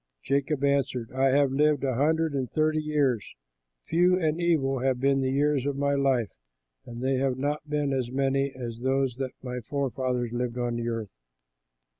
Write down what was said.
Jacob answered, "I have lived a hundred and thirty years; few and evil have been the years of my life, and they have not been as many as those that my forefathers lived on earth."